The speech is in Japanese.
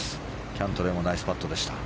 キャントレーもナイスパットでした。